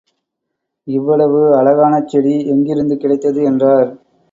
இவ்வளவு அழகான செடி எங்கிருந்து கிடைத்தது? என்றார்.